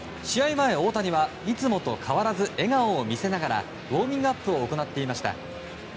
前、大谷はいつもと変わらず笑顔を見せながらウォーミングアップを行っていました。